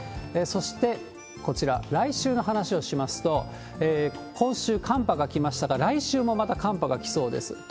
そして、こちら、来週の話をしますと、今週寒波が来ましたが、来週もまた寒波が来そうです。